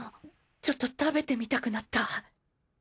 ちょっと食べてみたくなった。